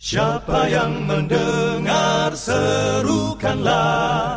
siapa yang mendengar serukanlah